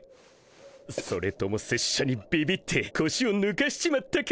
それとも拙者にビビってこしをぬかしちまったか？